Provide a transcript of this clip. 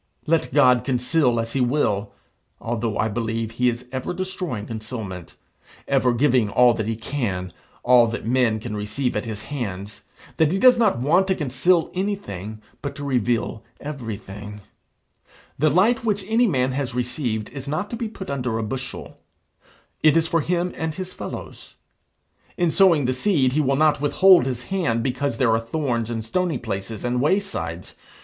Let God conceal as he will: (although I believe he is ever destroying concealment, ever giving all that he can, all that men can receive at his hands, that he does not want to conceal anything, but to reveal everything,) the light which any man has received is not to be put under a bushel; it is for him and his fellows. In sowing the seed he will not withhold his hand because there are thorns and stony places and waysides.